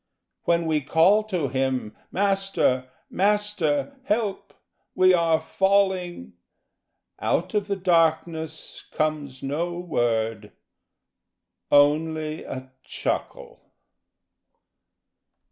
When we call to him 'Master, Master! Help, we are falling!' Out of the darkness Comes no word ....Only a chuckle.